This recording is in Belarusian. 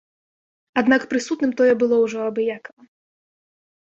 Аднак прысутным тое было ўжо абыякава.